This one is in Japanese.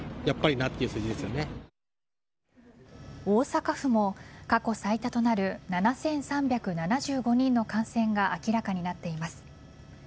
大阪府も過去最多となる７３７５人の感染が明らかになっています。